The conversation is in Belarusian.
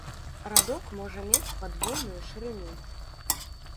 Радок можа мець падвойную шырыню.